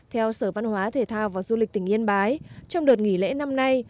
theo sở văn hóa thể thao và du lịch tỉnh yên bái trong đợt nghỉ lễ năm nay